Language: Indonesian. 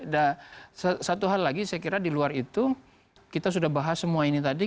dan satu hal lagi saya kira di luar itu kita sudah bahas semua ini tadi